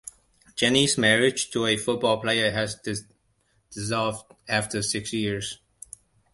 Jennie's marriage to a football player has dissolved after six years.